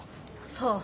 そう。